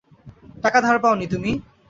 টাকা ধার পাও নি তুমি?